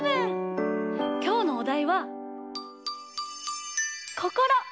きょうのおだいは「こころ」！